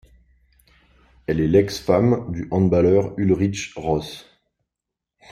Elle est l'ex-femme du handballeur Ulrich Roth.